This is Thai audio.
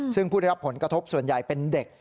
ซึ่งผู้ได้รับผลกระทบส่วนใหญ่เป็นเด็ก